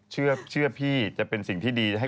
เชื่อพี่จะเป็นสิ่งที่ดี